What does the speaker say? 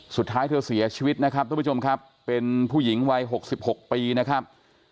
สุดท้ายเธอเสียชีวิตนะครับทุกผู้ชมครับเป็นผู้หญิงวัย๖๖ปีนะครับ